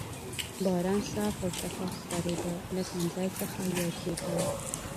باران صاف او شفاف ښکارېده، له تمځای څخه یو پېټی.